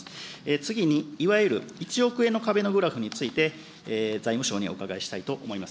次にいわゆる、１億円の壁のグラフについて、財務省にお伺いしたいと思います。